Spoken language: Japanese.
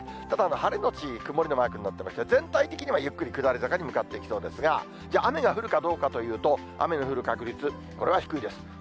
ただ晴れ後曇りのマークになってますが、全体的には、ゆっくり下り坂に向かっていきそうですが、雨が降るかどうかというと、雨の降る確率、これは低いです。